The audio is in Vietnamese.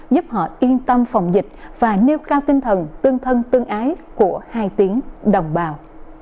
giúp họ yên tâm phòng dịch và nêu cao tinh thần tương thân tương ái của hai tiếng đồng bào